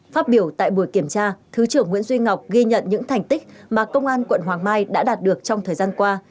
phát biểu tại buổi kiểm tra thứ trưởng nguyễn duy ngọc ghi nhận những thành tích mà công an quận hoàng mai đã đạt được trong thời gian qua